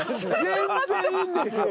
全然いいんですよ。